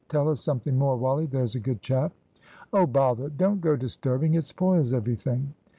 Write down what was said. Tell us something more, Wally, there's a good chap." "Oh, bother. Don't go disturbing, it spoils everything."